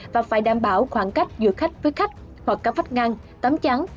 và phải đảm bảo khoảng cách giữa khách với khách hoặc các vách ngăn tắm trắng